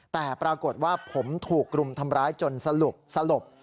แต่ปรากฏว่าผมถูกรุมทำร้ายจนสลบ